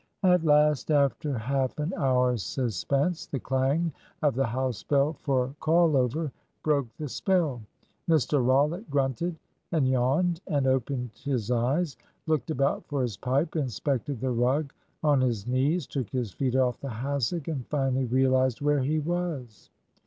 At last, after half an hour's suspense, the clang of the house bell for call over broke the spell. Mr Rollitt grunted and yawned and opened his eyes, looked about for his pipe, inspected the rug on his knees, took his feet off the hassock, and finally realised where he was.